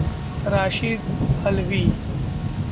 Rashid Alvi